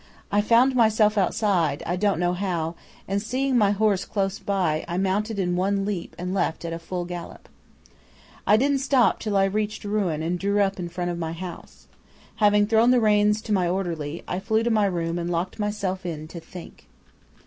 I found myself outside, I don't know how, and seeing my horse close by, I mounted in one leap and left at a full gallop. "I didn't stop till I reached Rouen and drew up in front of my house. Having thrown the reins to my orderly, I flew to my room and locked myself in to think.